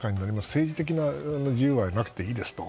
政治的な自由はなくていいですと。